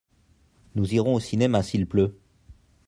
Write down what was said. Nous irons au cinéma s'il pleut.